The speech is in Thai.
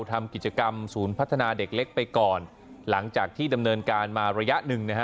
ทำกิจกรรมศูนย์พัฒนาเด็กเล็กไปก่อนหลังจากที่ดำเนินการมาระยะหนึ่งนะฮะ